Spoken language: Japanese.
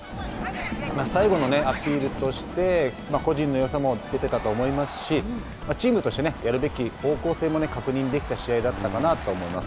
最後のアピールとして個人のよさも出てたと思いますしチームとしてやるべき方向性も確認できた試合だったかなと思います。